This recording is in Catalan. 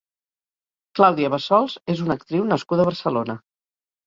Claudia Bassols és una actriu nascuda a Barcelona.